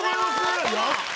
やった。